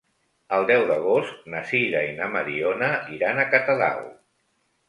El deu d'agost na Sira i na Mariona iran a Catadau.